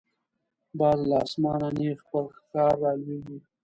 باز له آسمانه نیغ پر ښکار را لویږي